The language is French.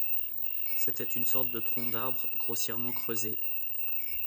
C’était une sorte de tronc d’arbre grossièrement creusé.